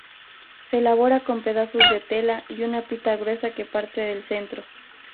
Se elabora con pedazos de tela y una pita gruesa que parte del centro.